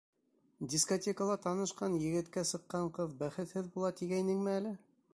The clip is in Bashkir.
Дискотекала танышҡан егеткә сыҡҡан ҡыҙ бәхетһеҙ була тигәйнеңме әле?